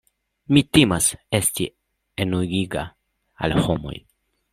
Mi timas esti enuiga al homoj.